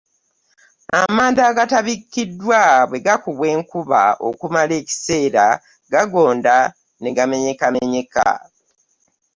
Amanda agatabikkiddwa bwe gakubwa enkuba okumala ekiseera, gagonda ne gamenyekamenyeka.